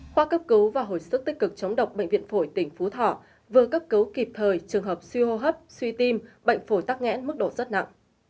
khoa cấp cứu và hồi sức tích cực chống độc bệnh viện phổi tỉnh phú thọ vừa cấp cứu kịp thời trường hợp siêu hô hấp suy tim bệnh phổi tắc nghẽn mức độ rất nặng